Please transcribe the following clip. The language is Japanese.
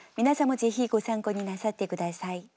皆さんもぜひご参考になさって下さい。